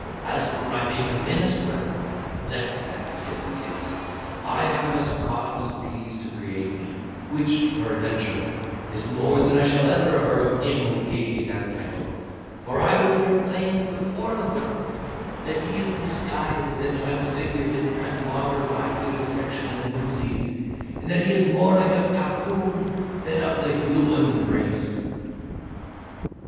As for my being a minister, let that be as it is: I am as Cot was pleased to create me, which, peradventure, is more than I shall ever aver of him who gave me that title; for I will proclaim it before the world, that he is disguised, and transfigured, and transmogrified, with affectation and whimseys; and that he is more like a papoon than of the human race."